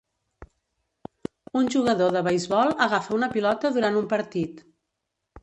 Un jugador de beisbol agafa una pilota durant un partit.